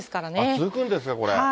続くんですか、これ。